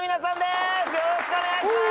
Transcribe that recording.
よろしくお願いします！